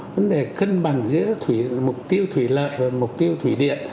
vấn đề cân bằng giữa mục tiêu thủy lợi và mục tiêu thủy điện